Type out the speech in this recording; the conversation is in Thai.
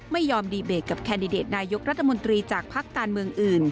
ไม่ยอมดีเบตกับแคนดิเดตนายกรัฐมนตรีจากภักดิ์การเมืองอื่น